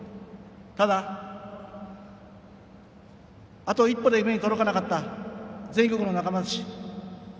ただ、あと一歩で夢に届かなかった全国の仲間たち。